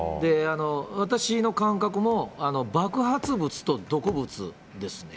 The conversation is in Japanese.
私の感覚も、爆発物と毒物ですね。